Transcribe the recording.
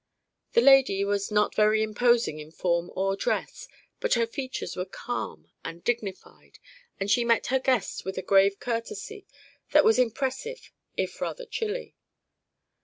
The lady was not very imposing in form or dress but her features were calm and dignified and she met her guests with a grave courtesy that was impressive if rather chilly.